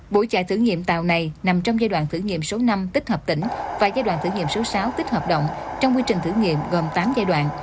buổi chạy thử nghiệm tàu này nằm trong giai đoạn thử nghiệm số năm tích hợp tỉnh và giai đoạn thử nghiệm số sáu tích hợp động trong quy trình thử nghiệm gồm tám giai đoạn